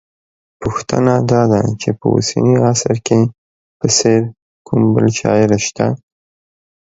پوښتنه دا ده چې په اوسني عصر کې په څېر کوم بل شاعر شته